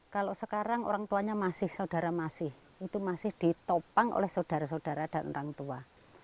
kalau sekarang orang tuanya masih saudara masih itu masih ditopang oleh saudara saudara dan orang tua